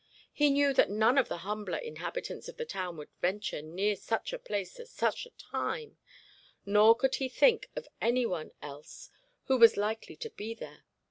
He knew that none of the humbler inhabitants of the town would venture near such a place at such a time, nor could he think of any one else who was likely to be there.